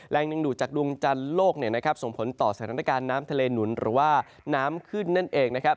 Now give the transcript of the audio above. หนึ่งดูดจากดวงจันทร์โลกส่งผลต่อสถานการณ์น้ำทะเลหนุนหรือว่าน้ำขึ้นนั่นเองนะครับ